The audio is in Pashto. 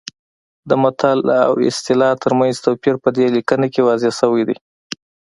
د متل او اصطلاح ترمنځ توپیر په دې لیکنه کې واضح شوی دی